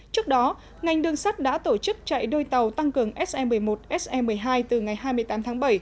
trước đó ngành đường sắt đã tổ chức chạy đôi tàu tăng cường se một mươi một se một mươi hai từ ngày hai mươi tám tháng bảy